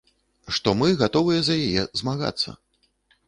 Што мы гатовыя за яе змагацца.